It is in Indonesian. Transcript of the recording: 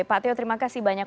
pak teo terima kasih banyak